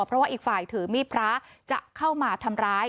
เพราะว่าอีกฝ่ายถือมีดพระจะเข้ามาทำร้าย